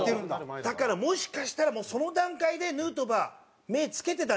だからもしかしたらもうその段階でヌートバー目付けてたんじゃないかって。